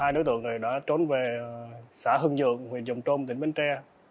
xác định hai đối tượng này đã trốn về xã hương nhượng huyện dông chôm tỉnh bến tre